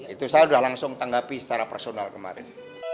itu saya sudah langsung tanggapi secara personal kemarin